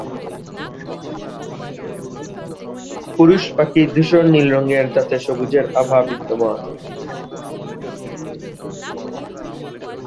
পুরুষ পাখি ধূসর নীল রঙের যাতে সবুজের আভা বিদ্যমান।